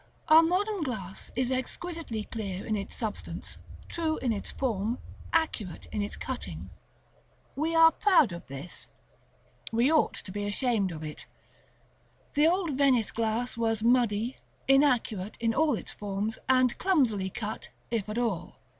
Our modern glass is exquisitely clear in its substance, true in its form, accurate in its cutting. We are proud of this. We ought to be ashamed of it. The old Venice glass was muddy, inaccurate in all its forms, and clumsily cut, if at all.